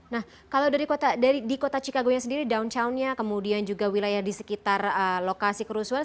nah kalau di kota chicago nya sendiri down countnya kemudian juga wilayah di sekitar lokasi kerusuhan